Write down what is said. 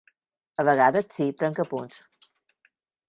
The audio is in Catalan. A vegades, sí, prenc apunts.